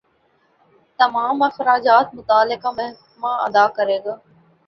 تمام اخراجات متعلقہ محکمہ ادا کرے گا